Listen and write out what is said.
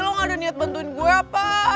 lu gak ada niat bantuin gue apa